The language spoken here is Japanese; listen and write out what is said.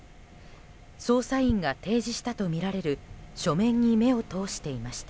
捜査員が提示したとみられる書面に目を通していました。